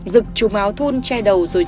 rực chùm áo thun che đầu rồi